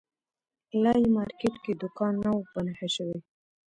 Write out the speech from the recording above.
لا یې مارکېټ کې دوکان نه وو په نښه شوی.